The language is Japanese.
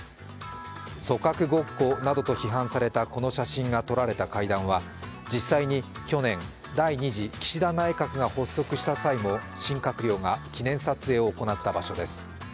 組閣ごっこなどと批判されたこの写真が撮られた階段は実際に去年、第２次岸田内閣が発足した際も新閣僚が、記念撮影を行った場所です。